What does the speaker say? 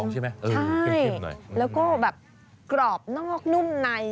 ใช่ไหมแล้วก็แบบกรอบนอกนุ่มใน